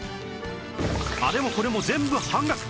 あれもこれも全部半額！